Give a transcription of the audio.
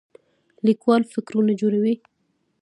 لیکوال فکرونه جوړوي